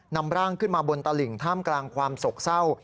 นำร่างขึ้นมาบนตลิ่งท่ามกลางความโศกเศร้า